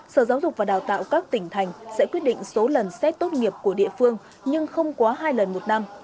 sở giáo dục và đào tạo các tỉnh thành sẽ quyết định số lần xét tốt nghiệp của địa phương nhưng không quá hai lần một năm